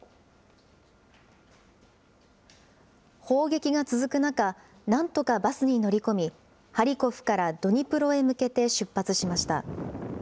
砲撃が続く中、なんとかバスに乗り込みハリコフからドニプロへ向けて出発しました。